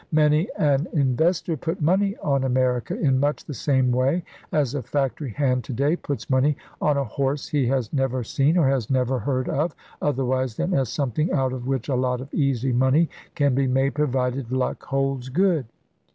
Many an investor put money on America in much the same way as a factory hand to day puts money on a horse he has never seen or has never heard of otherwise than as something out of which a lot of easy money can be made provided luck holds good.